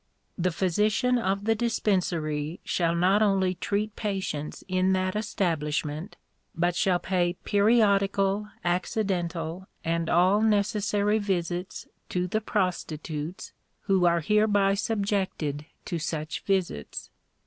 "The physician of the Dispensary shall not only treat patients in that establishment, but shall pay periodical, accidental, and all necessary visits to the prostitutes, who are hereby subjected to such visits.